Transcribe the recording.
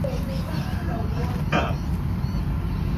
iliyojaa utu na heshima kwa kila raia wa nchi yake